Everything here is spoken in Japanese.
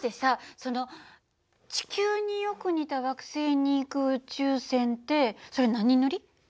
その地球によく似た惑星に行く宇宙船ってそれ何人乗り？